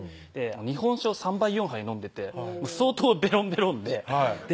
日本酒を３杯４杯飲んでて相当ベロンベロンではい